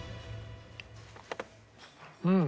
うん！